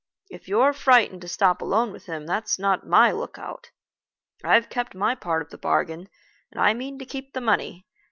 If you're frightened to stop alone with him, that's not my lookout. I've kept my part of the bargain, and I mean to keep the money.